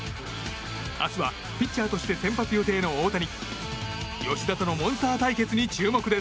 明日は、ピッチャーとして先発予定の大谷。